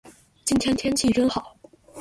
今天天气真好。